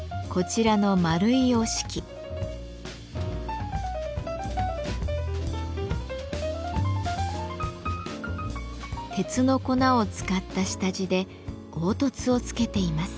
鉄の粉を使った下地で凹凸をつけています。